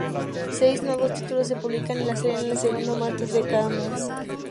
Seis nuevos títulos se publican en la serie, el segundo martes de cada mes.